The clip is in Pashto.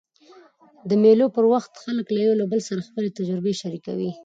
د مېلو پر وخت خلک له یو بل سره خپلي تجربې شریکوي.